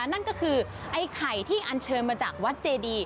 นั่นก็คือไอ้ไข่ที่อันเชิญมาจากวัดเจดี